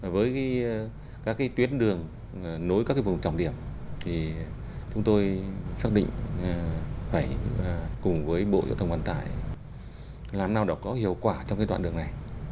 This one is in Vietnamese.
với các tuyến đường nối các vùng trọng điểm thì chúng tôi xác định phải cùng với bộ giao thông vận tải làm nào có hiệu quả trong cái đoạn đường này